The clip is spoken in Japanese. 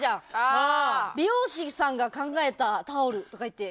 美容師さんが考えたタオルとかいって。